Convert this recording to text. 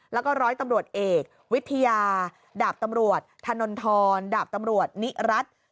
แล้วก็ร้อยตำรวจเอกวิทยาดาบตำรวจธนทรดาบตำรวจนิรัติ